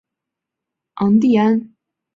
昂蒂安。